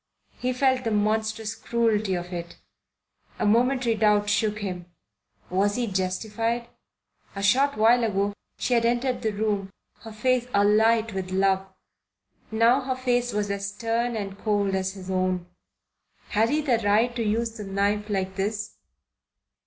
He felt the monstrous cruelty of it. A momentary doubt shook him. Was he justified? A short while ago she had entered the room her face alight with love; now her face was as stern and cold as his own. Had he the right to use the knife like this?